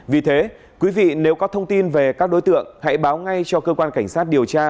vì thế quý vị nếu có thông tin về các đối tượng hãy báo ngay cho cơ quan cảnh sát điều tra